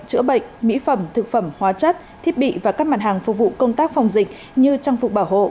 chữa bệnh mỹ phẩm thực phẩm hóa chất thiết bị và các mặt hàng phục vụ công tác phòng dịch như trang phục bảo hộ